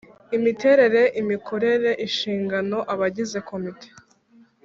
Imiterere imikorere inshingano abagize komite